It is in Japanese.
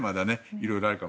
色々あるかも。